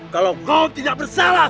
kalau kau tidak bersalah